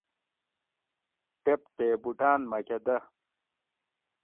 ٹیپ تے بوٹاۤن مکہۤ دہ